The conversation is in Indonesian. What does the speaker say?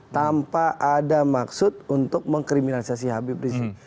tanpa ada maksud untuk mengkriminalisasi habib rizik